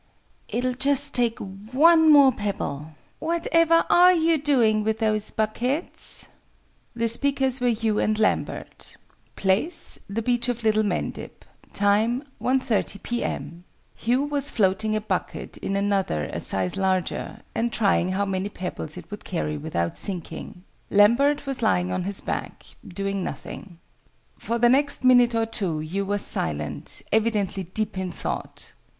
"It'll just take one more pebble." "What ever are you doing with those buckets?" The speakers were Hugh and Lambert. Place, the beach of Little Mendip. Time, 1.30, P.M. Hugh was floating a bucket in another a size larger, and trying how many pebbles it would carry without sinking. Lambert was lying on his back, doing nothing. For the next minute or two Hugh was silent, evidently deep in thought.